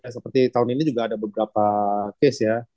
seperti tahun ini juga ada beberapa case ya